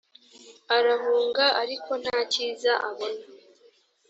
arahunga ariko nta cyiza abona.